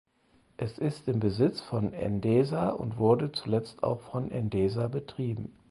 Es ist im Besitz von Endesa und wurde zuletzt auch von Endesa betrieben.